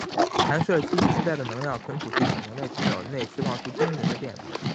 弹射器自带的能量存储系统能在几秒内释放出惊人的电能。